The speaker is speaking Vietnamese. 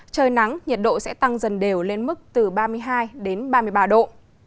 trời nắng nhiệt độ sẽ tăng dần đều lên mức từ ba mươi hai đến ba mươi ba độ